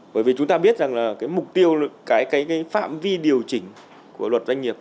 bởi vì chúng ta biết rằng là cái mục tiêu cái phạm vi điều chỉnh của luật doanh nghiệp